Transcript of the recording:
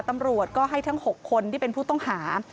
ตำรวจก็ให้ทั้ง๖คนที่เป็นผู้ต้องหา